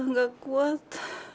aku sudah gak kuat